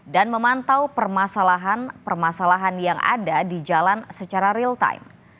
dan memantau permasalahan permasalahan yang ada di jalan secara real time